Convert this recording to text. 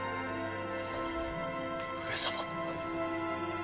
上様！